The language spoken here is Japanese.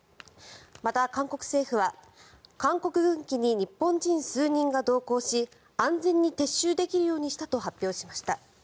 また、韓国政府は韓国軍機に日本人数人が同行し安全に撤収できるようにしたと発表しました。